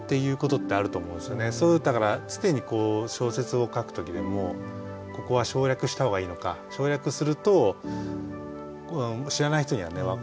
だから常に小説を書く時でもここは省略した方がいいのか省略すると知らない人にはね伝わらないかもしれないし。